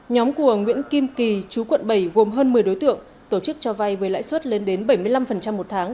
nhóm của nguyễn kim kỳ chú quận bảy gồm hơn một mươi đối tượng tổ chức cho vay với lãi suất lên đến bảy mươi năm một tháng